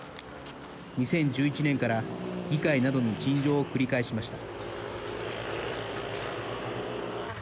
２０１１年から議会などに陳情を繰り返しました。